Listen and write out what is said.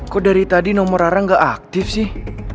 kok dari tadi nomor rara gak aktif sih